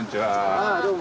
ああどうも。